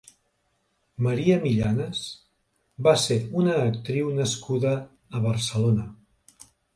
María Millanes va ser una actriu nascuda a Barcelona.